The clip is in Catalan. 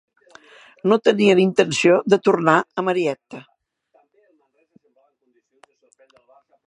No tenien intenció de tornar a Marietta.